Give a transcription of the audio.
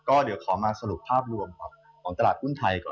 ก็เดี๋ยวขอมาสรุปภาพรวมครับของตลาดหุ้นไทยก่อน